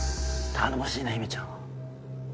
頼もしいな姫ちゃん。